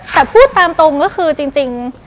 แต่พูดตามตรงก็คือจริง